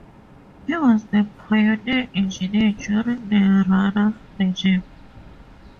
He was the pioneer engineer during the Rana regime.